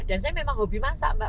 dan saya memang hobi masak mbak